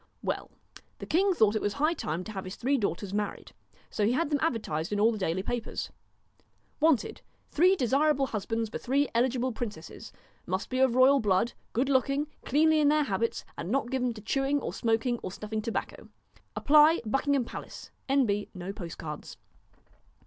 Well the king thought it was high time to have his three daughters married. So he had them advertised in all the daily papers : WANTED, three desirable husbands, for three eligible Princesses. Must be of Royal blood, good looking, cleanly in their habits, and not given to chewing or smoking or snuffing tobacco. Apply: Buckingham Palace. N.B. No post cards.